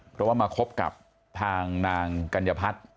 เพราะว่ามาคบกับทางนางกัญญพัฒน์